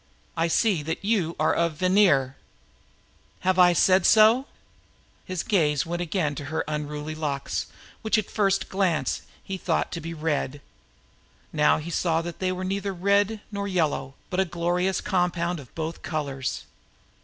I see that you are of the Vanir." "Have I said so?" He looked again at her unruly locks, which he had thought to be red. Now he saw that they were neither red nor yellow, but a glorious compound of both colors.